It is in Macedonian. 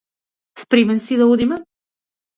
Спремен си да одиме?